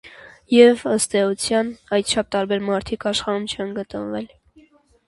Եվ, ըստ էության, այդչափ տարբեր մարդիկ աշխարհում չեն գտնվել։